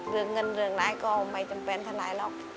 เรื่องเงินเรื่องร้ายก็ไม่จำเป็นทนายหรอก